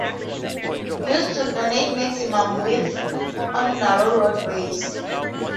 Used to denote maximum width on narrow roadways.